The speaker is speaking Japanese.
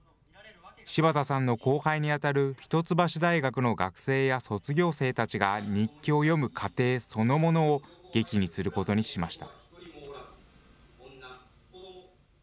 柴田さんの後輩に当たる一橋大学の学生や卒業生たちが日記を読む過程そのものを劇にすることにしました。